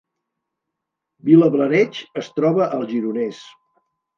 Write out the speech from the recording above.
Vilablareix es troba al Gironès